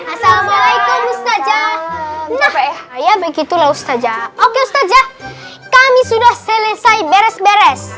assalamualaikum ustazah nah saya begitulah ustazah oke ustazah kami sudah selesai beres beres